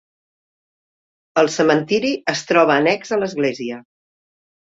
El cementiri es troba annex a l'església.